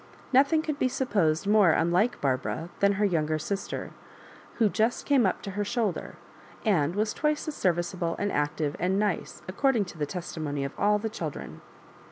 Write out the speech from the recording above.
Nothiag could be supposed more unlike Barbara than her younger sister, who just came up to her shoulder, and was twice as serviceable and active and " nice," according to the testimony of all the children.